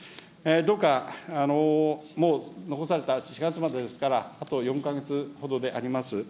どうか、もう残された４月までですから、あと４か月ほどであります。